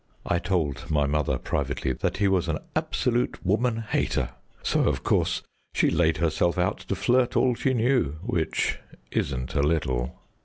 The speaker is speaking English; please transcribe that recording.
I told my mother privately that he was an absolute woman hater; so, of course, she laid herself out to flirt all she knew, which isn't a little."